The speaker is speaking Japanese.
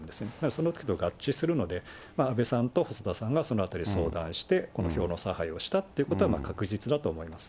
そのことと合致するので、安倍さんと細田さんがそのあたり相談して、この票の差配をしたっていうことは確実だと思います。